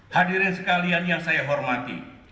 hadirin sekalian yang saya hormati